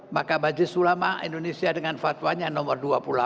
maka majelis ulama indonesia dengan fatwanya nomor dua puluh delapan